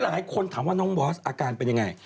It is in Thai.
หลายคนถามว่าน้องบอสอาการเป็นยังไง